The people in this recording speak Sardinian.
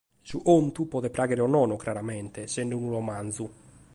Su contu, podet pràghere o nono craramente, sende unu romanzu.